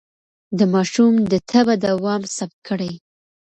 د ماشوم د تبه دوام ثبت کړئ.